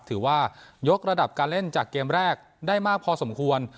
ถือว่ายกระดับการเล่นจากเกมแรกได้มากพอสมควร